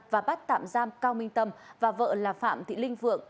và bắt tạm giam cao minh tâm và vợ là phạm thị linh phượng